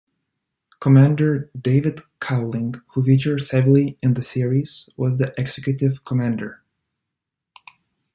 Commander David Cowling, who features heavily in the series, was the executive commander.